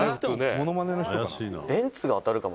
ものまねの人かな？